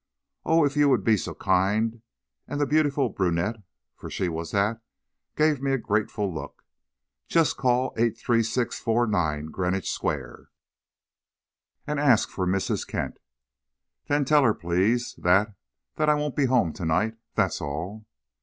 "Oh, if you would be so kind," and the beautiful brunette, for she was that, gave me a grateful look. "Just call 83649 Greenwich Square, and ask for Mrs. Kent. Then tell her, please, that that I won't be home tonight. That's all."